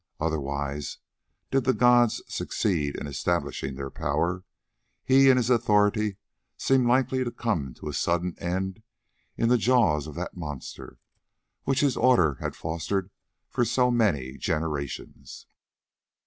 Otherwise, did the "gods" succeed in establishing their power, he and his authority seemed likely to come to a sudden end in the jaws of that monster, which his order had fostered for so many generations.